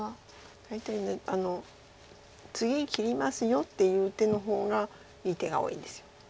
大体「次切りますよ」っていう手の方がいい手が多いんです。